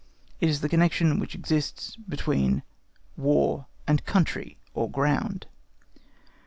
It is the connection which exists between War and country or ground.